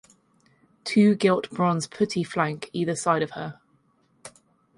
Two gilt bronze putti flank either side of her.